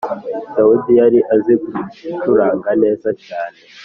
Dawidi yari azi gucuranga neza cyane.